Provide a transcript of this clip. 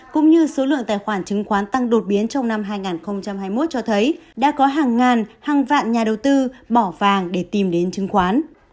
cũng như số lượng tài khoản chứng khoán tăng đột biến trong năm hai nghìn hai mươi một cho thấy đã có hàng ngàn hàng vạn nhà đầu tư bỏ vàng để tìm đến chứng khoán